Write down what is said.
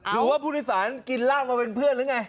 หรือว่าพุทธศาลกินร่างมาเป็นเพื่อนหรือไง